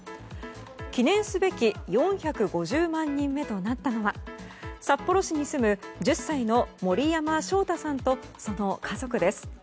記念すべき４５０万人目となったのは札幌市に住む１０歳の森山翔太さんとその家族です。